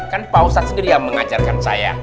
kan pak ustadz sendiri yang mengajarkan saya